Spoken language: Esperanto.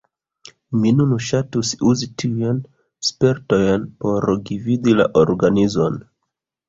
Mi nun ŝatus uzi tiujn spertojn por gvidi la organizon.